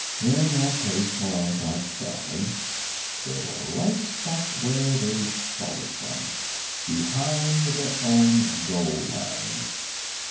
In that case, Malone thought sadly, they were right back where they'd started from. Behind their own goal line.